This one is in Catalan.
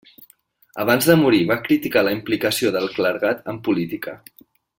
Abans de morir va criticar la implicació del clergat en política.